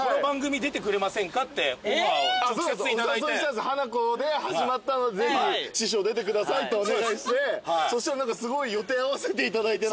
お誘いしたんですハナコで始まったのでぜひ師匠出てくださいってお願いしてそしたらすごい予定合わせていただいて。